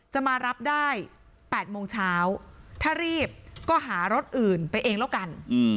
จะมารับได้๘โมงเช้าถ้ารีบก็หารถอื่นไปเองแล้วกัน